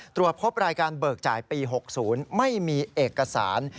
ตรวจพบรายการเบิกจ่ายปี๖๐ไม่มีเอกสาร